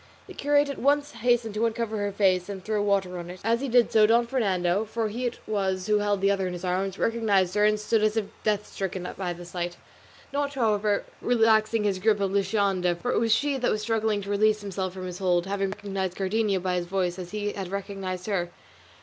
The curate at once hastened to uncover her face and throw water on it, and as he did so Don Fernando, for he it was who held the other in his arms, recognised her and stood as if death stricken by the sight; not, however, relaxing his grasp of Luscinda, for it was she that was struggling to release herself from his hold, having recognised Cardenio by his voice, as he had recognised her.